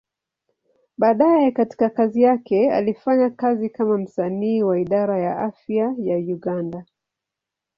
Baadaye katika kazi yake, alifanya kazi kama msanii wa Idara ya Afya ya Uganda.